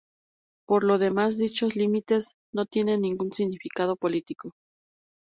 Por lo demás dichos límites no tienen ningún significado político.